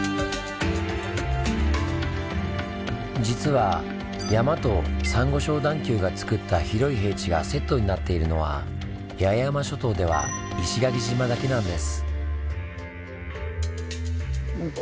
実は山とサンゴ礁段丘がつくった広い平地がセットになっているのは八重山諸島では石垣島だけなんです。